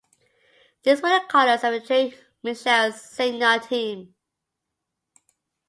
These were the colours of the Tralee Mitchels senior team.